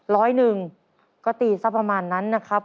ร้อยหนึ่งก็ตีสักประมาณนั้นนะครับ